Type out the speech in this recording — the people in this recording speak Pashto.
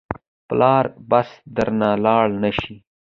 پلاره بس درنه لاړ نه شې.